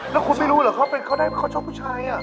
แล้วคุณไม่รู้เหรอเขาเป็นเขาได้ว่าเขาชอบผู้ชาย